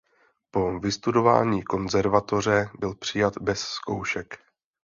Po vystudování konzervatoře byl přijat bez zkoušek.